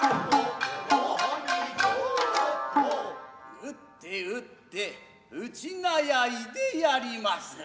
打って打って打ちなやいでやりまする。